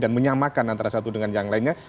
dan menyamakan antara satu dengan yang lainnya